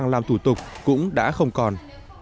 làm thủ tục cũng đã không còn